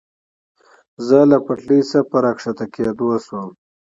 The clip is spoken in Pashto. زه له پټلۍ څخه په را کوزېدو شوم.